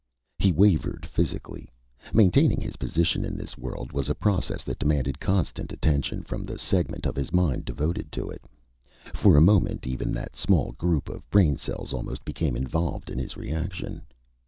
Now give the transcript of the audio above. He wavered; physically. Maintaining his position in this world was a process that demanded constant attention from the segment of his mind devoted to it. For a moment, even that small group of brain cells almost became involved in his reaction.